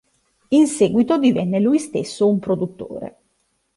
In seguito divenne lui stesso un produttore.